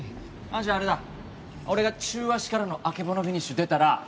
じゃああれだ俺が中足からのあけぼのフィニッシュ出たら